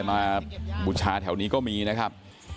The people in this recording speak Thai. มาบูชาแถวนี้ก็มีนะครับ